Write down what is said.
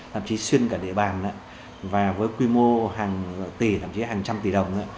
thậm chí xuyên cả đề bàn và với quy mô hàng tỷ thậm chí hàng trăm tỷ đồng